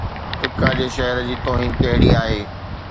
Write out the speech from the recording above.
فقه جي شهر جي توهين ڪهڙي آهي؟